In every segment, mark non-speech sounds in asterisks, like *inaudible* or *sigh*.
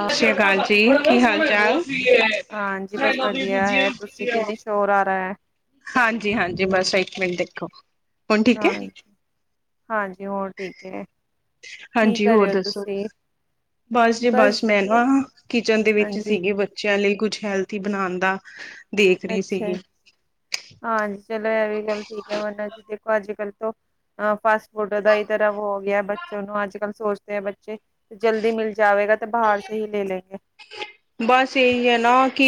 ਸਤਿ ਸ਼੍ਰੀ ਅਕਾਲ ਜੀ ਕੀ ਹਾਲ ਚਾਲ ਹਾਂਜੀ, ਬਸ ਵਦੀਆ ਹੈ, ਤੁਸੀਂ ਕਿੰਨੀ ਚੋਰ ਆ ਰਾ ਐ। ਹਾਂਜੀ-ਹਾਂਜੀ, ਬਸ ਇੱਕ ਮਿੰਟ ਦੇਖੋ ਹੁਣ ਠੀਕ ਹੈ ਹਾਂ, ਹਾਂਜੀ ਹੋਰ ਠੀਕ ਹੈ। ਕੀ ਹਾਂਜੀ, ਕਰ ਹੋਰ ਰਹੇ ਹੋ ਦੱਸੋ? ਤੁਸੀਂ ਬਸ ਜੀ ਬਸ ਮੈਂ ਨਾ, ਕਿਚਨ ਦੇ ਵਿੱਚ ਹਾਂਜੀ ਸੀਗੇ ਬ ਬੱਚਿਆਂ ਲਈ, ਕੁਛ ਹੈਲਥੀ ਬਣਾਣ ਦਾ ਦੇਖ ਰਹੀ ਅੱਛਾ, ਸੀਗੀ ਹਾਂਜੀ ਚਲੋ ਇਹ ਵੀ ਗੱਲ ਠੀਕ ਐ, ਵਰਨਾ ਜੀ ਦੇਖੋ ਅੱਜ-ਕੱਲ ਤੋਂ ਅ ਫਾਸਟ ਫੂਡ ਦਾ ਹੀ ਤਰ੍ਹਾਂ ਹੋ ਗਿਆ ਬੱਚੇ ਨੂੰ, ਅੱਜ ਕੱਲ੍ਹ ਸੋਚਦੇ ਆ ਬੱਚੇ ਜਲਦੀ ਮਿਲ। ਜਾਵੇਗਾ ਤੇ ਬਾਹਰ ਸੇ ਹੀ ਲੈ ਲੈਂਗੇ ਬਸ ਇਹੀ ਹੈ ਨਾ ਕਿ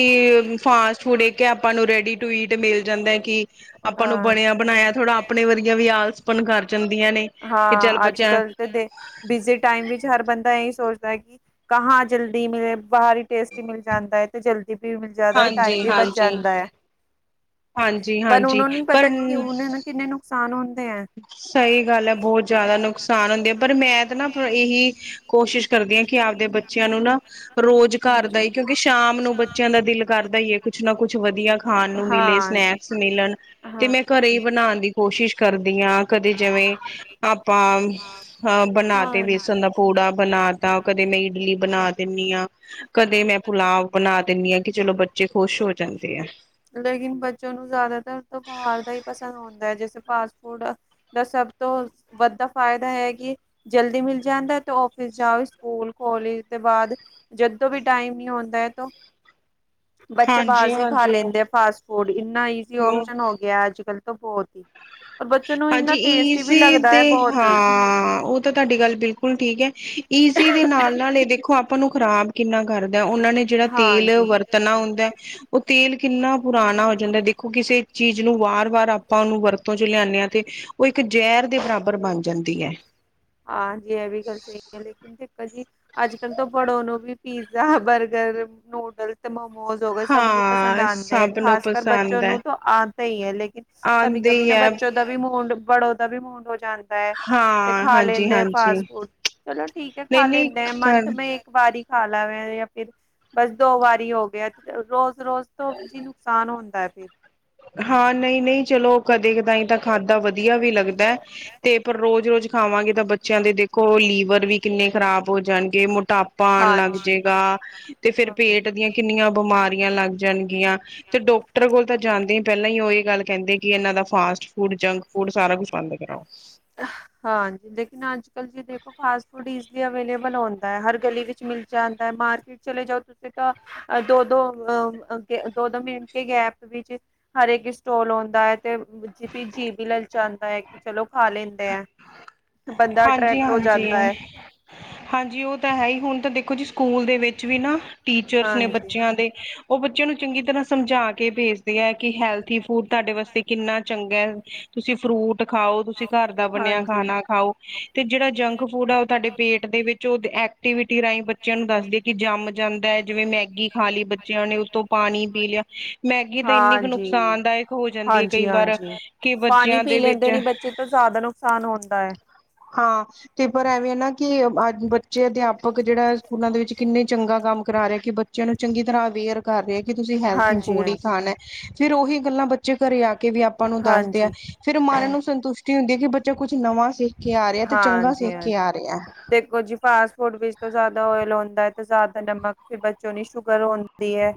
ਫਾਸਟ ਫੂਡ ਇੱਕ ਆਪਾਂ ਨੂੰ ਰੈਡੀ ਟੂ ਈਟ ਮਿਲ ਜਾਂਦਾ ਕਿ ਆਪਾਂ ਨੂੰ ਹਾਂਜੀ। ਬਣਿਆ ਬਣਾਇਆ ਥੋੜ੍ਹਾ ਆਪਣੇ ਵਰਗਿਆ ਵੀ ਆਲਸਪਣ ਕਰ ਜਾਂਦੀਆਂ ਨੇ, ਕਿ ਚੱਲ ਹਾਂ ਅੱਜ ਬੱਚਿਆਂ ਕੱਲ ਦੇ ਬਿਜ਼ੀ ਟਾਈਮ ਵਿੱਚ ਹਰ ਬੰਦਾ, ਇਹੀ ਸੋਚਦਾ ਹੈ, ਕਿ, ਕਹਾ ਜਲਦੀ ਮਿਲੇ ਬਾਹਰ ਟੇਸਟੀ ਮਿਲ ਜਾਂਦਾ ਹੈ ਤੇ ਜਲਦੀ, ਅਤੇ ਵੀ ਜ਼ਿਆਦਾ ਟਾਈਮ ਹਾਂਜੀ ਵੀ ਬਚ ਹਾਂਜੀ ਜਾਂਦਾ ਹੈ। ਹਾਂਜੀ, ਹਾਂਜੀ, ਪਰ ਉਹਨੇ ਨਾ ਕਿੰਨੇ ਨੁਕਸਾਨ ਹੁੰਦੇ ਹੈ। ਸਹੀ ਗੱਲ ਹੈ, ਬਹੁਤ ਜ਼ਿਆਦਾ ਨੁਕਸਾਨ ਹੁੰਦੇ ਹੈ, ਪਰ ਮੈਂ ਤਾਂ ਨਾ ਇਹੀ, ਕੋਸ਼ਿਸ਼ ਕਰਦੀ ਹਾਂ ਕਿ ਆਪਦੇ ਬੱਚਿਆਂ ਨੂੰ ਨਾ, ਰੋਜ਼ ਘਰ ਦਾ ਕਿਉਂਕਿ ਸ਼ਾਮ ਨੂੰ ਬੱਚਿਆਂ ਦਾ ਦਿਲ ਕਰਦਾ ਹੀ ਹੈ। ਕੁਛ ਨਾ ਕੁਛ ਵਧੀਆ ਖਾਣ ਨੂੰ ਮਿਲੇ, ਸਨੈਕਸ ਮਿਲਣ ਤੇ, ਮੈਂ ਘਰੇ ਹੀ ਬਣਾਉਣ ਦੀ ਕੋਸ਼ਿਸ਼ ਕਰਦੀ। ਦੀਆਂ ਕਦੇ ਜਿਵੇਂ ਆਪਾਂ ਅ ਬਣਾ ਤੇ ਵੇਸਣ ਦਾ, ਪੂੜਾ ਬਣਾ ਤਾ ਕਦੇ ਮੈਂ ਇਡਲੀ ਬਣਾ ਦਿੰਦੀ ਹਾਂ, ਕਦੇ ਮੈਂ ਪੁਲਾਵ ਬਣਾ ਦਿੰਦੀ ਹਾਂ, ਕਿ ਚਲੋ ਬੱਚੇ ਖੁਸ਼ ਹੋ ਜਾਂਦੇ ਆ। ਲੇਕਿਨ ਬੱਚੇ ਨੂੰ ਜ਼ਿਆਦਾਤਰ ਤਾਂ ਬਾਹਰ ਦਾ ਹੀ ਪਸੰਦ ਆਉਦਾ ਹੈ, ਜੈਸੇ ਫਾਸਟ ਫੂਡ, ਦਾ ਸਭ ਤੋਂ ਵੱਧਾ ਫਾਇਦਾ ਹੈ ਕਿ ਜਲਦੀ ਮਿਲ ਜਾਂਦਾ ਤੇ, ਔਫਿਸ ਜਾਓ ਸਕੂਲ ਕਾਲਜ ਤੋਂ ਬਾਅਦ ਜਦੋਂ ਵੀ ਟਾਈਮ ਨੀ ਹੁੰਦਾ ਹੈਗਾ, ਬੱਚੇ ਬਾਹਰ ਹਾਂਜੀ ਸੇ ਖਾ ਲੈਂਦੇ ਆ, ਹਾਂਜੀ ਫਾਸਟ ਫੂਡ ਇੰਨਾ ਕੀ ਓਸ਼ਨ ਹੋ ਗਿਆ, ਅੱਜ ਕੱਲ੍ਹ ਤਾਂ ਬਹੁਤ ਹੀ। ਔਰ ਬੱਚੇ ਨੂੰ ਹਾਂਜੀ, ਇੰਨਾ ਈ ਟੇਸਟੀ ਵੀ ਸੀ ਲੱਗਦਾ ਦੇ ਹੈ ਬਹੁਤ ਹੀ ਹਾਂ, ਉਹ ਤਾਂ, ਤੁਹਾਡੀ ਗੱਲ ਬਿਲਕੁਲ ਠੀਕ ਹੈ ਏ ਇਸ ਸੀ ਦੇ ਨਾਲ ਨਾਲ ਇਹ ਦੇਖੋ ਆਪਾਂ ਨੂੰ ਖ਼ਰਾਬ ਕਿੰਨਾ ਕਰਦਾ ਉਹਨਾਂ ਨੇ ਜਿਹੜਾ ਤੇਲ ਵਰਤਣਾ ਹੁੰਦਾ ਹੈ ਉਹ ਤੇਲ ਕਿੰਨਾ, ਪੁਰਾਣਾ ਹੋ ਜਾਂਦਾ ਦੇਖੋ ਕਿਸੇ ਚੀਜ਼ ਨੂੰ ਵਾਰ ਵਾਰ ਆਪਾਂ ਉਹਨੂੰ ਵਰਤੋਂ ਚ ਲਿਆਦੇ ਹਾਂ ਤੇ ਉਹ ਇੱਕ ਜ਼ਹਿਰ ਦੇ ਬਰਾਬਰ ਬਣ ਜਾਂਦੀ ਹੈ। ਹਾਂਜੀ, ਇਹ ਵੀ ਗੱਲ ਸਹੀ ਹੈ। ਦੇਖੋ ਜੀ ਅੱਜ ਕੱਲ੍ਹ ਤੋਂ ਬੜੋ ਨੂੰ ਵੀ ਪੀਜ਼ਾ ਬਰਗਰ ਨੂਡਲਸ ਤੇ ਮੋਮੋਸ ਹੋ ਗਏ ਸਭ ਨੂੰ ਪਸੰਦ ਹਾਂ ਆਉਂਦੇ ਹੈ ਸਭ ਨੂੰ ਖ਼ਾਸ ਕਰ ਬੱਚੇ ਪਸੰਦ ਹੈ ਨੂੰ ਤਾਂ ਆਂ ਤਾਂ ਹੀ ਹੈ ਲੇਕਿਨ, ਕਵੀ ਆਉਂਦੇ ਕਵੀ ਹੀ ਨਾ ਹੈ। ਬੱਚੋਂ ਦਾ ਵੀ ਮੂੰਡ ਬੜੋ ਦਾ ਵੀ ਮੂੰਡ ਹੋ ਜਾਂਦਾ ਹੈ। ਤੇ ਹਾਂ ਖਾ ਲੈਂਦੇ ਆ ਹਾਂਜੀ-ਹਾਂਜੀ ਫਾਸਟ ਫੂਡ ਚਲੋ ਠੀਕ ਹੈ ਖਾ ਨਹੀਂ-ਨਹੀਂ ਲੈਂਦੇ ਆ ਮੰਥ ਕਰ ਮੈਂ ਇੱਕ ਵਾਰੀ ਖਾ ਲਾ ਵੇ ਜਾਂ ਫਿਰ ਬਸ ਦੋ ਵਾਰੀ ਹੋ ਗਿਆ। ਰੋਜ਼ ਰੋਜ਼, ਤੋਂ ਜੀ ਨੁਕਸਾਨ ਹੁੰਦਾ ਹੈ, ਫਿਰ। ਹਾਂ, ਨਹੀਂ ਨਹੀਂ, ਚਲੋ ਕਦੇ ਕਦਾਈ ਤਾਂ ਖਾਧਾ ਵਧੀਆ ਵੀ ਲੱਗਦਾ। ਤੇ ਪਰ, ਰੋਜ਼ ਰੋਜ਼, ਖਾਵਾਂਗੇ ਤਾਂ ਬੱਚਿਆਂ ਦੇਖੋ ਲੀਵ ਲਿਵਰ ਵੀ ਕਿੰਨੇ ਖਰਾਬ ਹੋ ਜਾਣਗੇ ਮੋਟਾਪਾ ਆਉਣ ਲੱਗ ਜਾਏਗਾ, ਤੇ ਫਿਰ ਪੇਟ ਦੀਆਂ। ਕਿੰਨੀਆਂ ਬਿਮਾਰੀਆਂ ਲੱਗ ਜਾਣਗੀਆਂ, ਤੇ ਡਾਕਟਰ ਕੋਲ ਤਾਂ ਜਾਂਦੇ ਪਹਿਲਾਂ ਹੀ ਉਹ ਇਹ ਗੱਲ ਕਹਿੰਦੇ ਕਿ ਇਹਨਾਂ ਦਾ ਫਾਸਟ ਫੂਡ ਜੰਕ ਫੂਡ ਸਾਰਾ ਕੁਛ ਬੰਦ ਕਰਾਓ। *unintelligible* ਹਾਂਜੀ, ਲੇਕਿਨ ਅੱਜ ਕੱਲ੍ਹ ਜੀ ਦੇਖੋ ਫਾਸਟ ਫੂਡ ਈਜ਼ਲੀ ਅਵੇਲੇਬਲ ਹੁੰਦਾ ਹੈ ਹਰ ਗਲੀ ਵਿੱਚ ਮਿਲ ਜਾਂਦਾ ਹੈ ਮਾਰਕੀਟ ਚਲੇ ਜਾਓ ਤੁਸੀਂ ਤਾਂ ਦੋ ਦੋ ਅ ਦੋ ਦੋ ਮਿਲਕੇ ਗੈਪ ਵਿੱਚ, ਹਰ ਇੱਕ ਸਟੋਲ ਆਉਂਦਾ ਹੈ, ਤੇ ਜੀ ਵੀ ਲਲਚਾਂਦਾ ਹੈ ਕਿ ਚਲੋ, ਖਾ ਲੈਂਦੇ ਹੈ ਬੰਦਾ ਹਾਂਜੀ ਅਟਰ੍ਰੈਕਟ ਹੋ ਜਾਂਦਾ ਹਾਂਜੀ ਹੈ। ਹਾਂਜੀ, ਉਹ ਤਾਂ ਹੈ ਹੀ ਹੁਣ ਤਾਂ ਦੇਖੋ ਜੀ ਸਕੂਲ ਦੇ ਵਿੱਚ ਵੀ ਨਾ, ਟੀਚਰਸ ਨੇ ਹਾਂਜੀ। ਬੱਚਿਆਂ ਦੇ, ਉਹ ਬੱਚਿਆਂ ਨੂੰ ਚੰਗੀ ਤਰ੍ਹਾਂ ਸਮਝਾ ਕੇ ਭੇਜਦੇ ਆ ਕਿ ਹੈਲਥੀ ਫੂਡ ਤੁਹਾਡੇ ਵਾਸਤੇ ਕਿੰਨਾ ਚੰਗਾ ਹੈ‌। ਤੁਸੀਂ ਫਰੂਟ ਖਾਓ, ਤੁਸੀਂ ਘਰ ਦਾ ਬਣਿਆ ਖਾਣਾ ਖਾਓ। ਤੇ ਜਿਹੜਾ ਜੰਕ ਫੂਡ ਆ ਉਹ ਤੁਹਾਡੇ ਪੇਟ ਦੇ ਵਿੱਚ ਉਹ ਐਕਟੀਵਿਟੀ ਰਾਹੀਂ ਬੱਚਿਆਂ ਨੂੰ ਦੱਸਦੇ, ਕਿ ਜੰਮ ਜਾਂਦਾ ਹੈ, ਨੇ ਜਿਵੇਂ ਮੈਗੀ ਖਾ ਲਈ ਬੱਚਿਆਂ ਨੇ ਉੱਤੋਂ ਪਾਣੀ ਪੀ ਲਿਆ ਮੈਗੀ ਤਾਂ ਇੰਨੀ ਕੁ ਨੁ ਹਾਂਜੀ ਨੁਕਸਾਨਦਾਇਕ ਹੋ ਜਾਂਦੀ ਹੈ ਕਈ ਹਾਂਜੀ ਵਾਰ, ਹਾਂਜੀ ਕਿ ਪਾਣੀ ਬੱਚਿਆਂ ਪੀ ਦੇ ਲੈਂਦੇ ਵਿੱਚ ਨੇ ਬੱਚੇ ਤਾਂ ਜ਼ਿਆਦਾ ਨੁਕਸਾਨ ਹੁੰਦਾ। ਹਾਂ, ਤੇ ਪਰ ਐਵੇਂ ਏਨਾ ਕਿ, ਅੱਜ ਬੱਚੇ ਅਧਿਆਪਕ ਜਿਹੜਾ ਸਕੂਲਾਂ ਦੇ ਵਿਚ ਕਿਨੇ ਚੰਗਾ ਕੰਮ ਕਰਾਰੇ ਕਿ ਬੱਚਿਆਂ ਨੂ ਚੰਗੀ ਤਰਾਂ ਅਵੇਅਰ ਕਰ ਰਿਹਾ, ਕਿ ਤੁਸੀਂ ਹੈਲਥੀ ਹਾਂਜੀ ਫੂਡ ਈ ਹਾਂਜੀ ਖਾਨਾ, ਫੇਰ ਓਹੀ ਗੱਲਾਂ ਬੱਚ ਬੱਚੇ ਘਰੇ ਆ ਕੇ ਵੀ ਆਪਾਂ ਨੂੰ ਦੱਸਦੇ ਐ, ਹਾਂਜੀ ਫੇਰ ਮਨ ਨੂੰ ਹਾਂਜੀ ਸੰਤੁਸ਼ਟੀ ਹੁੰਦੀ ਐ, ਕਿ ਬੱਚਾ ਕੁਛ ਨਵਾਂ ਸਿ ਕੇ ਆ ਰਿਹਾ, ਤੇ ਚੰਗਾ ਹਾਂਜੀ ਸਿੱਖ ਕੇ ਹਾਂਜੀ ਆ ਰਿਹਾ। ਦੇਖੋ ਜੀ ਫਾਸਟ ਫੂਡ ਵਿਚ ਤੇ ਜਾਦਾ ਓਏਲ ਹੁੰਦਾ, ਤੇ ਜਾਦਾ ਨਮਕ, ਫੇਰ ਬੱਚੋਂ ਨੂੰ ਸ਼ੂਗਰ ਹੋਨ ਦੀ ਐ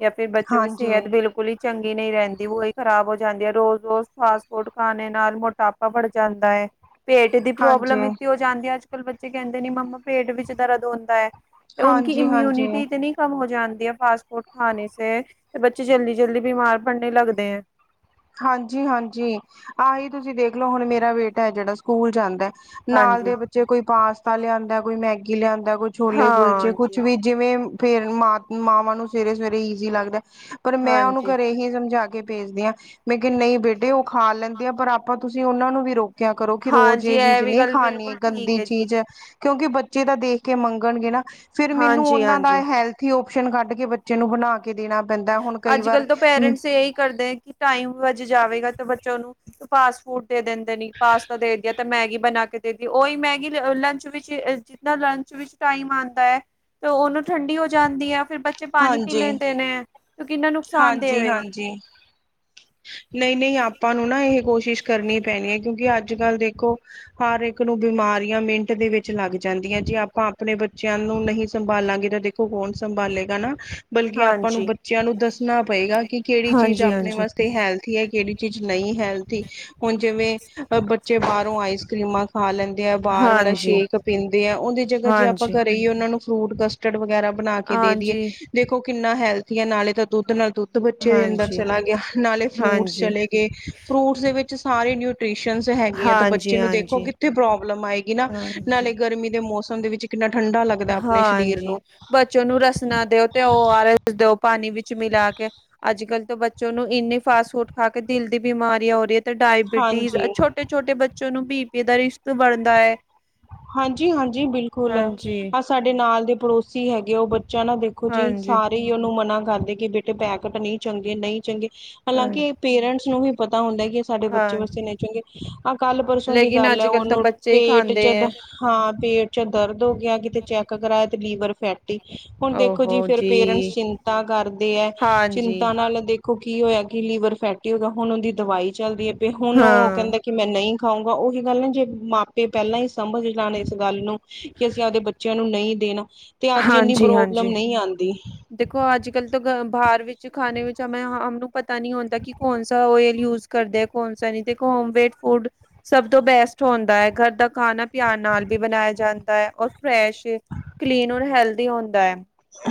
ਜਾਂ ਫੇਰ ਬੱਚੋ ਕੀ ਹਾਂਜੀ ਸਿਹਤ ਬਿਲਕੁਲ ਹੀ ਚੰਗੀ ਨਈ ਰਹਿੰਦੀ ਓਈ ਖ਼ਰਾਬ ਹੋ ਜਾਂਦੀ ਏ, ਰੋਜ਼- ਰੋਜ਼ ਫਾਸਟ ਫੂਡ ਖਾਨੇ ਨਾਲ ਮੋਟਾਪਾ ਬੜ ਜਾਂਦੈ। ਪੇਟ ਦੀ ਪ੍ਰੋਬਲਮ ਹਾਂਜੀ ਇਤਨੀ ਹੋ ਜਾਂਦੀ ਐ, ਅੱਜ- ਕੱਲ ਬੱਚੇ ਕਹਿੰਦੇ ਨੇ ਮੰਮਾ ਪੇਟ ਵਿੱਚ ਦਰਦ ਹੋਂਦੈ। ਤੇ ਉਨਕੀ ਹਾਂਜੀ ਹਾਂਜੀ ਇਮਊਨਿਟੀ ਇਤਨੀ ਕਮ ਹੋ ਜਾਂਦੀ ਐ ਫਾਸਟ ਫੂਡ ਖਾਨੇ ਸੇ, ਤੇ ਬੱਚੇ ਜਲਦੀ- ਜਲਦੀ ਬੀਮਾਰ ਪੜਨੇ ਲਗਦੇ ਐਂ। ਹਾਂਜੀ- ਹਾਂਜੀ, ਆਹੀ ਤੁਸੀਂ ਦੇਖਲੋ ਹੁਣ ਮੇਰਾ ਬੇਟਾ ਏ, ਜਿਹੜਾ ਸਕੂਲ ਜਾਂਦੈ। ਨਾਲ ਹਾਂਜੀ। ਦੇ ਬੱਚੇ ਕੋਈ ਪਾਸਤਾ ਲਿਆਂਦਾ, ਕੋਈ ਮੈਗੀ ਲਿਆਂਦਾ, ਕੋਈ ਛੋਲੇ ਕੁਲਚੇ, ਕੁਛ ਵੀ ਜਿਵੇਂ ਫੇਰ ਮਾਂ ਮਾਵਾਂ ਨੂੰ ਸਵੇਰੇ- ਸਵੇਰੇ ਈਜ਼ੀ ਲੱਗਦੈ। ਪਰ ਮੈਂ ਉਹਨੂੰ ਘਰੇਂ ਹੀ ਸਮਝਾ ਕੇ ਭੇਜਦੀ ਆਂ। ਮੈਂ ਕਿਹਾ ਨਈ ਬੇਟੇ ਓ ਖਾ ਲੈਂਦੇ ਆ, ਪਰ ਆਪਾਂ ਤੁਸੀਂ ਓਹਨਾਂ ਨੂੰ ਵੀ ਰੋ ਰੋਕਿਆ ਕਰੋ, ਕਿ ਰੋਜ ਇਹ ਚੀਜ ਨੀ ਖਾਣੀ ਗੰਦੀ ਚੀਜ਼। ਕਿਉਂਕਿ ਬੱਚੇ ਤਾਂ ਦੇਖ ਕੇ ਮੰਗਨਗੇ ਨਾ, ਫੇਰ ਮੈਨੂੰ ਓਹਨਾਂ ਦਾ ਹਾਂਜੀ-ਹਾਂਜੀ। ਹੈਲਥ ਥੀ ਓਪਸ਼ਨ ਕੱਡ ਕੇ ਬੱਚੇ ਨੂੰ ਬਣਾ ਕੇ ਦੇਣਾ ਪੈਂਦਾ, ਹੁਣ ਕਈ ਵਾਰ ਅੱਜ-ਕੱਲ੍ਹ ਤਾਂ ਪੇਰੈਂਟਸ ਇਹੀ ਕਰਦੇ ਟਾਈਮ ਬੱਚ ਜਾਵੇਗਾ, ਤੇ ਬੱਚਿਆਂ ਨੂੰ ਫਾਸਟ ਫੂਡ ਦੇ ਦਿੰਦੇ ਨੇ, ਪਾਸਤਾ ਦੇ ਦਿਆ। ਤੇ ਮੈਗੀ ਬਣਾ ਕੇ ਦੇਤੀ, ਓਹੀ ਮੈਗੀ ਲੰਚ ਵਿੱਚ ਜਿਤਨਾ ਲੰਚ ਵਿੱਚ ਟਾਈਮ ਆਂਦਾ ਐ ਤੇ ਓਹ ਨਾ ਠੰਡੀ ਹੋ ਜਾਂਦੀ ਆ, ਫੇਰ ਬੱਚੇ ਪਾਨੀ ਪੀ ਹਾਂਜੀ ਲੈਂਦੇ ਨੇ। ਤੇ ਕਿੰਨਾ ਨੁਕਸਾਨ ਦੇਵੇਗੀ। ਹਾਂਜੀ-ਹਾਂਜੀ, ਨਈ-ਨਈ ਆਪਾਂ ਨੂੰ ਨਾ ਇਹ ਕੋਸ਼ਿਸ਼ ਕਰਨੀ ਪੈਣੀ ਐ, ਕਿਉਂਕਿ ਅੱਜ- ਕੱਲ੍ਹ ਦੇਖੋ ਹਰ ਇਕ ਨੂੰ ਬਿਮਾਰੀਆਂ ਮਿੰਟ ਦੇ ਵਿਚ ਲੱਗ ਜਾਂਦੀਆਂ, ਜੇ ਆਪਾਂ ਆਪਨੇ ਬੱਚਿਆਂ ਨੂੰ ਨਹੀ ਸੰਭਾਲਾਂਗੇ, ਤਾਂ ਦੇਖੋ ਕੌਣ ਸੰਭਾਲੇਗਾ ਨਾ। ਬਲਕਿ ਆਪਾਂ ਨੂੰ ਹਾਂਜੀ। ਬੱਚਿਆਂ ਨੂ ਦੱਸਣਾ ਪਏਗਾ, ਕਿ ਕਿਹੜੀ ਚੀਜ ਆਪਣੇ ਹਾਂਜੀ-ਹਾਂਜੀ। ਵਾਸਤੇ ਹੈਲ ਥੀ ਐ ਕਿਹੜੀ ਚੀਜ ਨਈ ਹੈਲਥੀ, ਹੁਣ ਜਿਵੇਂ ਬੱਚੇ ਬਾਹਰੋਂ ਆਈਸ ਕਰ੍ਰੀਮਾਂ ਖਾ ਲੈਂਦੈ ਆ, ਬਾਹਰ ਵਾਲਾ ਹਾਂਜੀ ਸ਼ੇਕ ਪੀਂਦੇ ਐ, ਉਹਦੀ ਜਗ੍ਹਾਂ ਜੇ ਆਪਾਂ ਹਾਂਜੀ ਹਾਂਜੀ ਘਰੇ ਈ ਓਹਨਾਂ ਨੂੰ ਫਰੂਟ ਕਸਟਡ ਵਗੈਰਾ ਬਣਾ ਕੇ ਦੇ ਦੀਏ, ਹਾਂਜੀ ਦੇਖੋ ਕਿੰਨਾ ਹੈਲਥੀ ਐ, ਨਾਲੇ ਤਾਂ ਦੁੱਧ ਨਾਲ ਦੁੱਧ ਬੱਚੇ ਦੇ ਅੰਦਰ ਹਾਂਜੀ ਚਲਾ ਗਿਆ, ਨਾਲੇ ਫਰੂਟਸ ਹਾਂਜੀ ਚਲੇ ਗਏ, ਫਰੂਟਸ ਦੇ ਵਿਚ ਸਾਰੇ ਨਿਊ ਟਵੀਸਨਸ ਹੈਗੀਆ, ਤੇ ਹਾਂਜੀ ਹਾਂਜੀ ਬੱਚੇ ਨੂੰ ਦੇਖੋ ਕਿੱਥੇ ਪ੍ਰੋਬਲਮ ਆਏਗੀ ਨਾ, ਨਾਲੇ ਗਰਮੀ ਦੇ ਮੌਸਮ ਦੇ ਵਿਚ ਕਿੰਨਾ ਠੰਡਾ ਲਗ ਹਾਂਜੀ, ਬ ਬੱਚੇ ਨੂੰ ਰਸਨਾ ਦਿਓ, ਤੇ ਓ ਆਰ ਏਸ ਦਿਓ ਪਾਨੀ ਵਿਚ ਮਿਲਾ ਕੇ, ਅੱਜ ਕੱਲ੍ਹ ਤੋ ਬ ਬੱਚਿਆਂ ਨੂੰ ਇੰਨੇ ਫਾਸਟ ਫੂਡ ਖਾ ਕੇ ਦਿਲ ਦੀ ਬਿਮਾਰੀਆਂ ਹੋਰੀ, ਤੇ ਡਾਈਬਿਟੀਜ਼ ਛੋ ਹਾਂਜੀ ਛੋਟੇ-ਛੋਟੇ ਬੱਚੇ ਨੂੰ ਬੀ ਪੀ ਦਾ ਰਿਸਕ ਬਣਦਾ ਐ। ਹਾਂਜੀ-ਹਾਂਜੀ ਬਿਲਕੁਲ, ਹਾਂਜੀ ਹਾਂਜੀ ਆ ਸਾਡੇ ਬਿਲਕੁਲ ਨਾਲ ਦੇ ਪੜੋਸੀ ਹੈਗੇ, ਓਹ ਬੱਚਾ ਨਾ ਦੇਖ ਦੇਖੋ ਜੀ, ਸਾਰੇ ਹੀ ਓਹਨੂੰ ਮਨਾ ਕਰਦੇ ਆ, ਕਿ ਬੇਟੇ ਪੈਕਟ ਨਈ ਚੰਗੇ-ਨਈ ਚੰਗੇ ਸਾਰੇ ਹਲਾਂਕਿ ਪੇਰੈਂਟਸ ਨੂੰ ਵੀ ਪਤਾ ਹੁੰਦਾ, ਕਿ ਸਾਡੇ ਬੱਚੇ ਵਾਸਤੇ ਨਈ ਚੰਗੇ। ਆਹ ਕੱਲ੍ਹ ਪਰਸੋਂ ਦੀ ਲੇਕਿਨ ਗੱਲ ਐ, ਅੱਜ ਕੱਲ੍ਹ ਤਾਂ ਉਹਨੂੰ ਬੱਚੇ ਹੀ ਪੇਟ ਖਾਂਦੇ ਚ ਦ ਹੈ ਹਾਂ, ਪੇਟ ਚ ਦਰਦ ਹੋ ਗਿਆ, ਕਿਤੇ ਚੈਕ ਕਰਾਇਆ ਤੇ ਲੀਵਰ ਫੈ ਟੀ ਹੁਣ ਦੇਖੋ ਜੀ, ਫੇਰ ਪੇਰੈਂਟਸ ਚਿੰਤਾ ਕਰਦੇ ਐ, ਹਾਂਜੀ। ਚਿੰਤਾ ਨਾਲ ਦੇਖ ਦੇਖੋ ਕੀ ਹੋਇਆ ਕਿ ਲੀਵਰ ਫੈਟੀ ਹੋ ਗਿਆ, ਹੁਣ ਓਹਦੀ ਦਵਾਈ ਚਲਦੀ ਏ, ਹੁਣ ਓਹ ਹਾਂ। ਕਹਿੰਦੇ ਕਿ ਮੈਂ ਨਈ ਖਾਊਂਗਾ, ਓਹੀ ਗੱਲ ਨਾ ਜੇ ਮਾਪੇ ਪਹਿਲਾਂ ਈ ਸਮਝ ਲੈਣ ਇਸ ਗੱਲ ਨੂੰ, ਕਿ ਅਸੀਂ ਆਪਦੇ ਬੱਚਿਆਂ ਨੂੰ ਨਈ ਦੇਣਾ। ਤੇ ਅੱਜ ਏਨੀ ਪ੍ਰੋਬਲਮ ਹਾਂਜੀ-ਹਾਂਜੀ। ਨਈ ਆਂਦੀ। ਦੇਖੋ ਅੱਜ- ਕੱਲ੍ਹ ਤੋ ਬਾਹਰ ਵਿਚ ਖਾਣੇ ਵਿਚ ਹਮੇ, ਹਮਨੂੰ ਪਤਾ ਨੀ ਹੋਂਦਾ, ਕਿ ਕੌਨਸਾ ਓਏਲ ਯੂਜ਼ ਕਰਦੇ ਆ ਕੌਣਸਾ ਨੀ, ਤੇ ਹੋਮ ਮੇਡ ਫੂਡ ਸਭ ਤੋਂ ਬੈਸਟ ਹੁੰਦਾ ਐ ਘਰ ਦਾ ਖਾਣਾ। ਧਿਆਨ ਨਾਲ ਵੀ ਬਣਾਇਆ ਜਾਂਦਾ ਐ, ਔਰ ਫਰੈਸ਼ ਕਲੀਨ ਔਰ ਹੈਲਦੀ ਹੁੰਦਾ ਐ।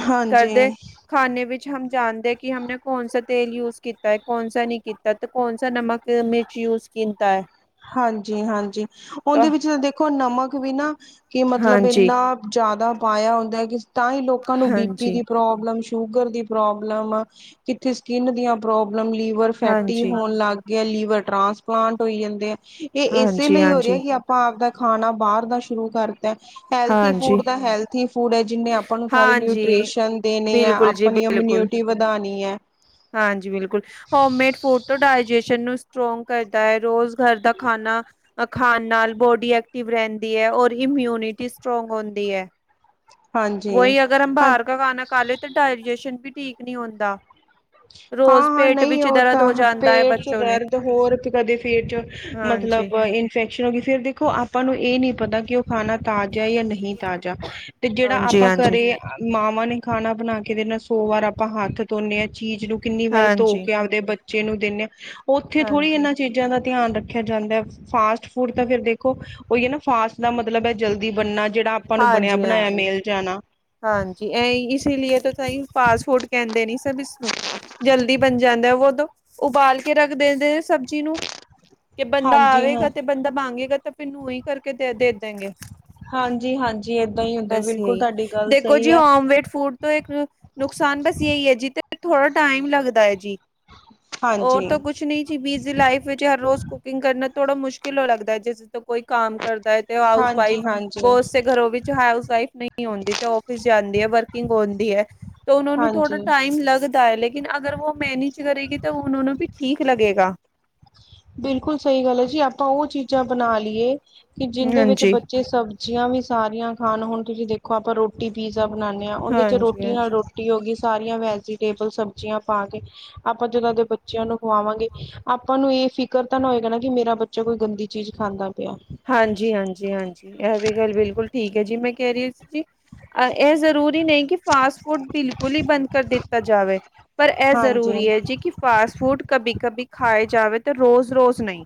ਹਾਂਜੀ ਘਰਦੇ ਖਾਣੇ ਵਿੱਚ ਹਮ ਜਾਣਦੇ ਐ, ਕਿ ਹਮ ਨੇ ਕੌਣ ਸਾ ਤੇਲ ਯੂਜ ਕੀਤਾ ਐ, ਕੌਣ ਸਾ ਨਹੀਂ ਕੀ ਹਾਂ ਤੇ ਕੌਨ ਸਾ ਨਮਕ, ਮਿਰਚ ਯੂਜ ਕਿੰਤਾ ਹੈ। ਹਾਂਜੀ-ਹਾਂਜੀ, ਉਹਦੇ ਵਿੱਚ ਤਾਂ ਦੇਖੋ ਨਮਕ ਵੀ ਨਾ ਕਿ ਮਤਲਬ ਹਾਂਜੀ। ਹਾਂਜੀ। ਇੰਨਾ ਜਾਦਾ ਪਾਇਆ ਹੁੰਦਾ ਐ ਕਿ ਤਾਂ ਹੀ ਲੋਕਾਂ ਨੂੰ ਬੀ ਪੀ ਹਾਂਜੀ। ਦੀ ਪ੍ਰੋਬਲਮ, ਸ਼ੂਗਰ ਦੀ ਪ੍ਰੋਬਲਮ, ਕਿੱਥੇ ਸਕਿਨ ਦੀ ਪ੍ਰੋਬਲਮ ਲਿਵ ਵਰ ਫੈਟੀ ਹੋਣ ਲੱਗ ਗਿਆ ਲੀਵਰ ਟਰਾਂਸਪਲਾਂਟ ਹੋਈ ਜਾਂਦੇ ਐ, ਇਹ ਇਸੇ ਲਈ ਹੋ ਰਿਹਾ ਹਾਂਜੀ-ਹਾਂਜੀ। ਕਿ ਆਪਾਂ ਆਪ ਦਾ ਖਾਨਾ ਬਾਰ ਦਾ ਸ਼ੁਰੂ ਕਰ ਹੈਲਥੀ ਹਾਂਜੀ। ਫੂਡ ਹਾਂਜੀ, ਤਾਂ ਹੈਲਥੀ ਫੂਡ ਏ, ਜਿਨੇ ਆਪਾਂ ਨੂੰ ਸਾਰੇ ਹਾਂਜੀ, ਨਿਊਟ੍ਰੀਸ਼ਨ ਦੇਣੇ ਐ, ਬਿਲਕੁਲ ਜੀ ਆਪਨੀ ਬਿਲਕੁਲ। ਇਮਿਊਨਿਟੀ ਵਧਾਨੀ ਐ। ਹਾਂਜੀ ਬਿਲਕੁਲ, ਹੋਮਮੇਡ ਫੂਡ ਓ ਡਾਇਜੈਸ਼ਨ ਨੂੰ ਸਟਰੋਂਗ ਕਰਦਾ ਐ, ਰੋਜ਼ ਘਰ ਦਾ ਖਾਨਾ ਖਾਣ ਨਾਲ ਬੋਡੀ ਐਕਟਿਵ ਰਹਿੰਦੀ ਐ ਔਰ ਇਮਿਊਨਿਟੀ ਸਟਰੋਂਗ ਹੋਂਦੀ ਹੈ। ਵੋ ਹਾਂਜੀ ਹੀ ਅਗਰ ਹਮ ਹਾਂ ਬਾਹਰ ਕਾ ਖਾਨਾ ਖਾ ਲੇ ਤੋ ਡਾਇਜੇਸ਼ਨ ਵੀ ਠੀਕ ਨਹੀਂ ਹੁੰਦਾ। ਰੋਜ਼ ਹਾਂ-ਹਾਂ ਪੇਟ ਨਹੀਂ, ਵਿੱਚ ਉਹ ਦਰਦ ਹੋ ਤਾਂ ਜਾਂਦਾ ਹੈ ਪੇਟ ਚ ਬੱਚੋਂ ਨੇ ਦਰਦ ਹੋਰ ਕਦੇ ਪੇ ਚ ਮਤਲਬ ਹਾਂਜੀ ਫੈਕਸ਼ਨ ਹੋ ਗੀ ਫੇਰ ਦੇਖੋ ਆਪਾਂ ਨੂੰ ਇਹ ਨਹੀਂ ਪਤਾ ਕਿ ਉਹ ਖਾਣਾ ਤਾਜ਼ਾ ਹੈ ਜਾਂ ਨਹੀਂ। ਤਾਜ਼ਾ ਤੇ ਜਿਹੜਾ ਹਾਂਜੀ ਆਪਾਂ ਹਾਂਜੀ ਘਰੇ ਮਾਵਾਂ ਨੇ ਖਾਨਾ ਬਨਾ ਕੇ ਦੇਨਾ, ਸੋ ਵਾਰ ਆਪਾਂ ਹੱਥ ਧੋਨੇ ਆਂ, ਚੀਜ਼ ਨੂੰ ਕਿੰਨੀ ਵਾਰ ਧੋ ਹਾਂਜੀ ਕੇ ਆਪਦੇ ਬੱਚੇ ਨੂੰ ਦੇਨੇ ਆਂ, ਉੱਥੇ ਥੋੜ੍ਹੀ ਹਾਂਜੀ ਏਨਾ ਚੀਜ਼ਾਂ ਦਾ ਧਿਆਨ ਰੱਖਿਆ ਜਾਂਦਾ। ਫਾਸਟ ਫੂਡ ਤਾਂ ਫਿਰ ਦੇਖੋ, ਉਹੀ ਹੈ ਨਾ ਫਾਸਟ ਦਾ ਮਤਲਬ ਹੈ ਜਲਦੀ ਬਨਨਾ ਜਿਹੜਾ ਆਪਾਂ ਨੂੰ ਬਨਿਆ ਬਨਾਇਆ ਮੇਲ ਜਾਨਾ। ਹਾਂਜੀ ਐ ਈ, ਇਸੀ ਲਈ ਤੇ ਤਾਂ ਹੀ ਫਾਸਟ ਫ਼ੂਡ ਕਹਿੰਦੇ ਨੇ ਸਭ ਇਸਨੂੰ। ਜਲਦੀ ਬਨ ਜਾਂਦਾ ਵੋ ਤੋ, ਉਬਾਲ ਕੇ ਰੱਖ ਦੇਂਦੇ ਸਬ। ਇਨੂੰ ਕਿ ਬੰਦਾ ਹਾਂਜੀ ਹਾਂ ਆਵੇਗਾ ਤੇ ਬੰਦਾ ਮਾਂਗੇਗਾ ਤੇ ਫੇਰ ਨੂੰ ਹੀ ਕਰਕੇ ਦੇ ਦੇ ਦੇੰਗੇ। ਹਾਂਜੀ ਹਾਂ ਜੀ ਏਦਾਂ ਈ ਬਸ ਜੀ, ਦੇਖੋ ਜੀ ਹੋਮਮੇਡ ਫੂਡ ਤੋਂ ਇੱਕ ਨੁਕਸਾਨ ਬਸ ਯਹੀ ਹੈ ਜੀ ਤੇ ਥੋੜਾ ਟਾਈਮ ਲੱਗਦਾ ਹੈ ਜੀ। ਔਰ ਹਾਂਜੀ, ਤੋ ਕੁਛ ਨੀ। ਤੁ ਬਿਜ਼ੀ ਲਾਈਫ ਵਿੱਚ ਹਰ ਰੋਜ਼ ਕੁਕਿੰਗ ਕਰਨਾ ਥੋੜ੍ਹਾ ਮੁਸ਼ਕਿਲ ਹੋ ਲੱਗਦਾ ਹੈ, ਜਿਸ ਤੋਂ ਕੋਈ ਕੰਮ ਕਰਦਾ ਹੈ। ਹਾਊਸ ਹਾਂਜੀ, ਵਾਈਫ, ਹਾਂਜੀ, ਬੋਸ ਘਰੋਂ ਵਿੱਚ ਹਾਊਸ ਵਾਈਫ ਨਹੀਂ ਹੋਂਦੀ ਤੇ ਔਫੀਸ ਜਾਂਦੀ ਹੈ, ਵਰਕਿੰਗ ਹਹੋਂਦੀ ਹੈ। ਤੋਂ ਉਹਨਾਂ ਨੂੰ ਥੋੜਾ ਹਾਂਜੀ। ਟਾਈਮ ਲੱਗਦਾ ਲੇਕਿ ਕਿਨ ਅਗਰ ਵੋ ਮੈਨੇਜ ਕਰੇਗੀ ਤਾਂ ਓਨਾਂ ਨੂੰ ਵੀ ਠੀਕ ਲੱਗੇਗਾ। ਬਿਲਕੁਲ ਸਹੀ ਗੱਲ ਐ ਜੀ, ਆਪਾਂ ਉਹ ਚੀਜ਼ਾਂ ਬਣਾ ਲਈਏ ਕਿ ਜਿੰਦੇ ਵਿੱਚ ਹਾਂਜੀ ਬੱਚੇ ਸਭ ਸਬਜ਼ੀਆਂ ਵੀ ਸਾਰੀਆਂ ਖਾਨ ਹੁਣ ਤੁਸੀਂ ਦੇਖੋ ਆਪਾਂ ਰੋਟੀ ਪੀਜ਼ਾ ਬਨਾਂਦੇ ਹਾਂ ਓਂਦੇ ਚ ਹਾਂਜੀ ਰੋਟੀ ਨਾਲ ਹਾਂਜੀ ਰੋ ਟੀ ਹੋ ਗੀ ਸਾਰੀਆਂ ਵੈਜੀਟੇਬਲ ਸਬਜ਼ੀਆਂ ਪਾ ਕੇ ਆਪਾਂ ਜਦੋਂ ਆਪਦੇ ਬੱਚਿਆਂ ਨੂੰ ਖਵਾਵਾਂਗੇ ਆਪਾਂ ਨੂੰ ਹੀ ਫ਼ਿਕਰ ਤਾਂ ਨਾ ਹੋਏਗਾ ਨਾ ਕਿ ਮੇਰਾ ਬੱਚਾ ਕੋਈ ਗੰਦੀ ਚੀਜ਼ ਖਾਂਦਾ ਪਿਆ। ਹਾਂਜੀ, ਹਾਂਜੀ, ਹਾਂਜੀ ਐ ਵੀ ਗੱਲ ਬਿਲਕੁਲ ਠੀਕ ਐ ਜੀ, ਮੈਂ ਕਹਿ ਰਹੀ ਸੀ ਜੀ ਅ ਇਹ ਜ਼ਰੂਰੀ ਨਹੀਂ ਕਿ ਫਾਸਟ ਫੂਡ ਬਿਲਕੁਲ ਹੀ ਬੰਦ ਕਰ ਦਿੱਤਾ ਜਾਵੇ, ਪਰ ਇਹ ਹਾਂਜੀ। ਜ਼ਰੂਰੀ ਹੈ ਜੀ ਕਿ ਫਾਸਟ ਫੂਡ ਕਬੀ ਕਬੀ ਖਾਏ ਜਾਵੇ ਤੇ ਰੋਜ਼-ਰੋਜ਼ ਨਹੀਂ।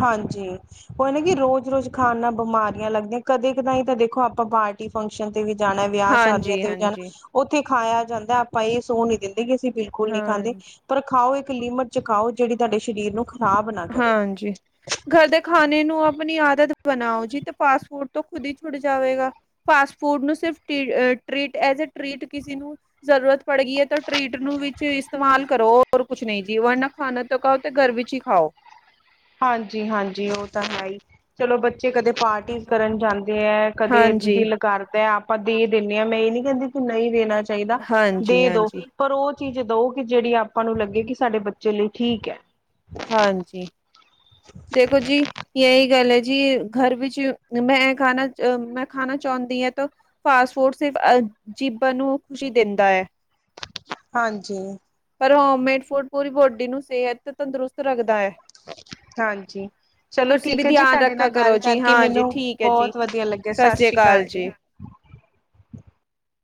ਹਾਂਜੀ। ਉਹ ਨਾ ਕਿ ਰੋਜ਼-ਰੋਜ਼ ਖਾਣਾ ਬਿਮਾਰੀਆਂ ਲੱਗਦੀਆਂ ਕਦੇ ਕਦਾਈ ਤਾਂ ਦੇਖੋ ਆਪਾਂ ਬ ਫੰਕਸ਼ਨ ਤੇ ਵੀ ਜਾਨਾ, ਵਿਆਹ ਸ਼ਾਦੀਆਂ ਹਾਂਜੀ, ਤੇ ਵੀ ਜਾਨਾ, ਹਾਂਜੀ। ਉੱਥੇ ਖਾਇਆ ਜਾਂਦਾ, ਆਪਾਂ ਇਹ ਸੋਹ ਨੀ ਦਿੰਦੇ ਦੇ ਅਸੀਂ ਬਿਲਕੁਲ ਹਾਂ। ਨਹੀਂ ਖਾਂਦੇ, ਪਰ ਖਾਓ ਇੱਕ ਚ ਲਿਮਟ ਚ ਖਾਓ ਜਿਹੜੀ ਤੁਹਾਡੇ ਸਰੀਰ ਨੂੰ ਖ਼ਰਾਬ ਨਾ ਕਰੇ। ਹਾਂਜੀ। ਘਰ ਦੇ ਖਾਨੇ ਨੂੰ ਆਪਣੀ ਆਦਤ ਬਣਾਓ ਜੀ ਤੇ ਫਾਸਟ ਫ਼ੂਡ ਤੋਂ ਖੁਦ ਹੀ ਛੁੱਟ ਜਾਵੇਗਾ। ਫਾਸਟ ਫੂਡ ਨੂੰ, ਸਿਰਫ tree treat, as a treat ਕਿਸੇ ਨੂੰ ਜ਼ਰੂਰਤ ਪੜ ਗਈ ਹੈ ਤੇ ਟ੍ਰੀਟ ਨੂੰ ਵਿੱਚ ਇਸਤੇਮਾਲ ਕਰੋ ਹੋਰ ਕੁਛ ਨਹੀਂ ਜੀ ਵਰਨਾ ਖਾਨਾ ਤੋਂ ਕਓ ਤੇ ਘਰ ਵਿੱਚ ਹੀ ਖਾਓ। ਹਾਂਜੀ-ਹਾਂਜੀ, ਉਹ ਤਾਂ ਹੈ ਈ, ਚਲੋ ਬੱਚੇ ਕਦੇ ਪਾਰਟੀ ਕਰਨ ਜਾਂਦੇ ਐ ਕਦੇ ਦਿਲ ਕਰਦੈ ਆਪਾਂ ਦੇ ਦਿੰਨੇ ਆ, ਮੈਂ ਏ ਨੀ ਕੈਂਦੀ ਇਹ ਕਿ ਵੀ ਨਈ ਦੇਣਾ ਚਾ ਚਾਈਦਾ ਕਹਿੰਦੀ ਹਾਂਜੀ, ਦੇ ਦੋ ਹਾਂਜੀ, ਪਰ ਓ ਚੀਜ ਦੋ ਕੇ ਜੇੜੀ ਆਪਾਂ ਨੂੰ ਲੱਗੇ ਕਿ ਸਾਡੇ ਬੱਚੇ ਲਈ ਠੀਕ ਐ। ਹਾਂਜੀ। ਦੇਖੋ ਜੀ ਏਈ ਗੱਲ ਏ ਜੀ ਘਰ ਵਿੱਚ ਮੈਂ ਏ ਖਾਨਾ ਅ, ਮੈਂ ਖਾਨਾ ਚਾਊਂਦੀ ਅ ਤ ਫਾਸਟ ਫੂੜ ਸਿਰਫ ਅ, ਜੀਬਾਂ ਨੂੰ ਖ਼ੁਸ਼ੀ ਦੇਂਦਾ ਏ। ਹਾਂਜੀ। ਪਰ ਹੋਮ ਮੇਡ ਫੂਡ ਪਰੀ ਬੋਡੀ ਨੂੰ ਸੇਹਤ ਤੇ ਤੰਦਰੁਸਤ ਰੱਖਦਾ ਏ। ਹਾਂਜੀ। ਚਲੋ ਵੀ ਠੀਕ ਏ ਜੀ, ਧਿਆਨ ਤੁਆਡੇ ਰੱਖਾ ਨਾਲ ਕਰੋ ਗਾੱਲ ਜੀ ਕਾਰਕੇ ਹਾਂ ਜੀ ਮੈਨੂੰ, ਠੀਕ ਹੈ ਜੀ ਬੋਤ ਵਦੀਆ ਲੱਗੇਆ ਸਤਿ ਸ੍ਰੀ ਸਾਸੀ ਅਕਾਲ ਕਾਲ ਜੀ।